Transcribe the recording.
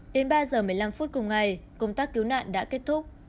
đến ba h một mươi năm phút cùng ngày công tác cứu nạn đã kết thúc